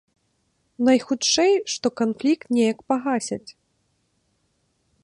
Найхутчэй што канфлікт неяк пагасяць.